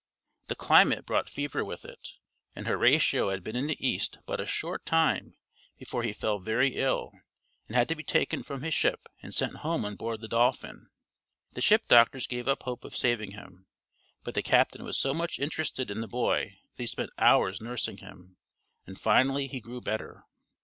The climate brought fever with it, and Horatio had been in the East but a short time before he fell very ill and had to be taken from his ship and sent home on board the Dolphin. The ship doctors gave up hope of saving him, but the captain was so much interested in the boy that he spent hours nursing him, and finally he grew better.